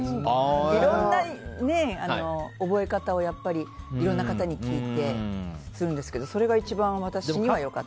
いろんな覚え方をいろんな方に聞いたりするんですけどそれが一番、私には良かった。